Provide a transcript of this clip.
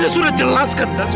biarkan bapak pergi